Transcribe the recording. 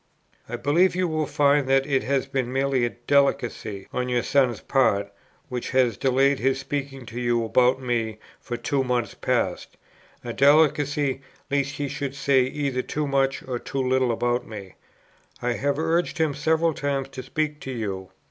"I believe you will find that it has been merely a delicacy on your son's part, which has delayed his speaking to you about me for two months past; a delicacy, lest he should say either too much or too little about me. I have urged him several times to speak to you.